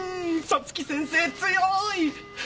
早月先生強い！